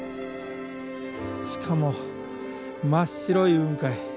しかも真っ白い雲海。